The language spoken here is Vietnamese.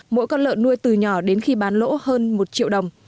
mỗi con lợn nuôi từ nhỏ đến khi bán lỗ hơn một triệu đồng